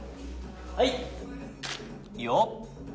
はいいいよ。